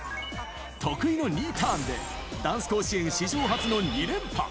得意のニーターンで、ダンス甲子園史上初の２連覇。